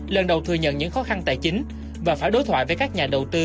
lần đầu thừa nhận những khó khăn tài chính và phải đối thoại với các nhà đầu tư